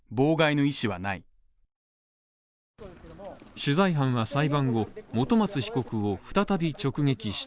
取材班は裁判後本松被告を再び直撃した